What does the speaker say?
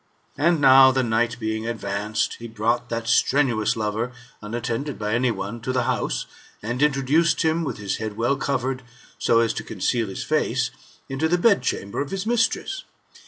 And now the night being advanced, he brought that strenuous lover, unattended by any one, to the house, and in troduced him, with his head well covered, so as to conceal his face, into the bedchamber of his mistress.